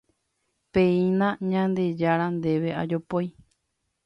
Péina Ñandejára Ndéve ajopói